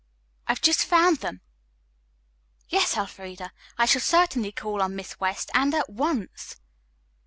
"I've just found them. Yes, Elfreda, I shall certainly call on Miss West, and at once."